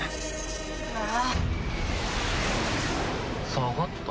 下がった？